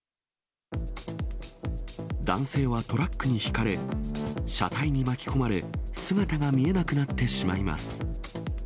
男性はトラックにひかれ、車体に巻き込まれ、姿が見えなくなってしまいます。